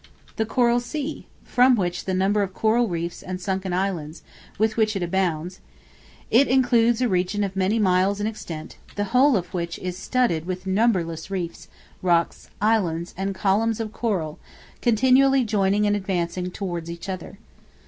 The Coral Sea, from the number of coral reefs and sunken islands, with which it abounds; it includes a region of many miles in extent, the whole of which is studded with numberless reefs, rocks, islands, and columns of coral, continually joining and advancing towards each other.